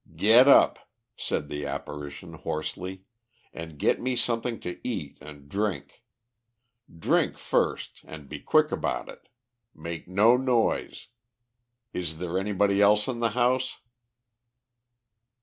"Get up," said the apparition hoarsely, "and get me something to eat and drink. Drink first, and be quick about it. Make no noise. Is there anybody else in the house?"